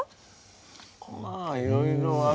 まあいろいろある。